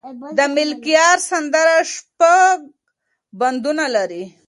د ملکیار سندره شپږ بندونه لري.